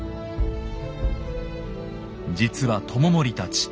実は知盛たち